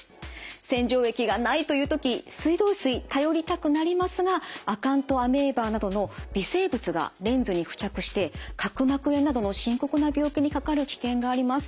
洗浄液がないという時水道水頼りたくなりますがアカントアメーバなどの微生物がレンズに付着して角膜炎などの深刻な病気にかかる危険があります。